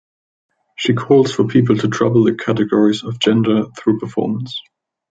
She calls for people to trouble the categories of gender through performance.